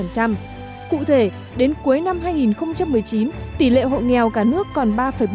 cụ thể đến cuối năm hai nghìn một mươi chín tỷ lệ hộ nghèo cả nước còn ba bảy mươi năm